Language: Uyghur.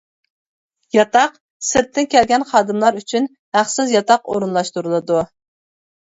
ياتاق: سىرتتىن كەلگەن خادىملار ئۈچۈن ھەقسىز ياتاق ئورۇنلاشتۇرۇلىدۇ.